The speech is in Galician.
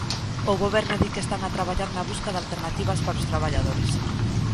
O goberno di que están a traballar na busca de alternativas para os traballadores.